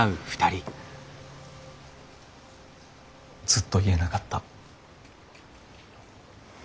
ずっと言えなかった。